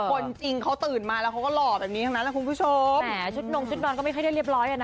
คนจริงเขาตื่นมาแล้วเขาก็หล่อแบบนี้ทั้งนั้นแหละคุณผู้ชมแหมชุดนงชุดนอนก็ไม่ค่อยได้เรียบร้อยอ่ะนะ